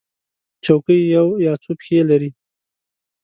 چوکۍ یو یا څو پښې لري.